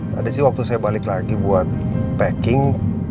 tadi sih waktu saya balik lagi buat packing